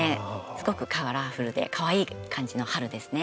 すごくカラフルでかわいい感じの春ですね。